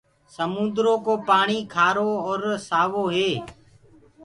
سموندرو ڪو پآڻي کآرو آور سآوو هي